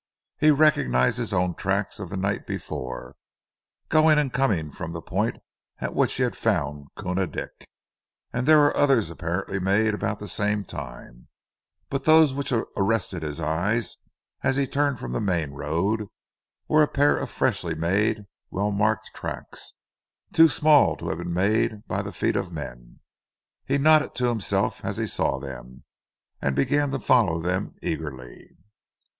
He recognized his own tracks of the night before, going and coming from the point at which he had found Koona Dick, and there were others apparently made about the same time, but those which arrested his eyes as he turned from the main road were a pair of freshly made well marked tracks, too small to have been made by the feet of men. He nodded to himself as he saw them, and began to follow them eagerly.